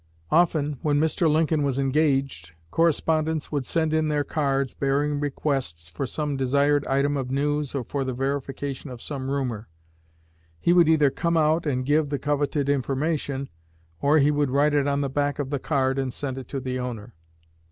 Often when Mr. Lincoln was engaged, correspondents would send in their cards, bearing requests for some desired item of news or for the verification of some rumor. He would either come out and give the coveted information, or he would write it on the back of the card and send it to the owner.